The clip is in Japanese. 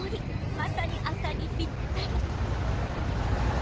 まさに朝にぴったり。